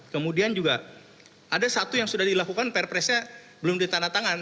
kemudian juga ada satu yang sudah dilakukan perpresnya belum ditandatangan